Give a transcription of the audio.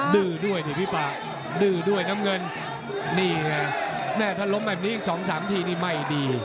ดื้อด้วยดิพี่ป่าดื้อด้วยน้ำเงินนี่ไงแม่ถ้าล้มแบบนี้อีกสองสามทีนี่ไม่ดี